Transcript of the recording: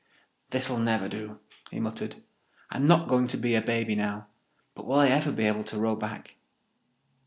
"This'll never do," he muttered. "I'm not going to be a baby now. But will I ever be able to row back?"